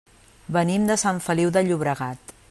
Venim de Sant Feliu de Llobregat.